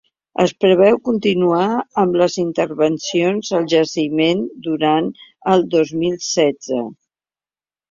Es preveu continuar amb les intervencions al jaciment durant el dos mil setze.